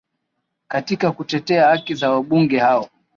katika kutetea haki za wabunge hao